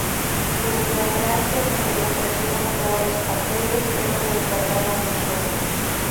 Volvió a Francia, donde le ofrecieron peores papeles, pero le trataron mejor.